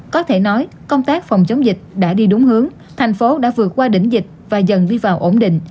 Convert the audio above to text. có thể nói công tác phòng chống dịch đã đi đúng hướng thành phố đã vượt qua đỉnh dịch và dần đi vào ổn định